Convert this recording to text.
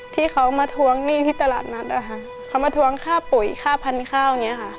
ที่เขามาทวงหนี้ที่ตลาดนัดนะคะเขามาทวงค่าปุ๋ยค่าพันธุ์ข้าวอย่างนี้ค่ะ